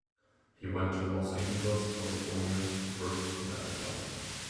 He went to Los Angeles, California, to work in advertising.